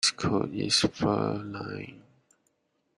This coat is fur-lined.